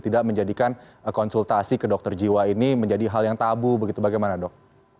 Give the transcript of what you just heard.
tidak menjadikan konsultasi ke dokter jiwa ini menjadi hal yang tabu begitu bagaimana dok